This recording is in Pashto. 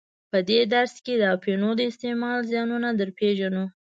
په دې درس کې د اپینو د استعمال زیانونه در پیژنو.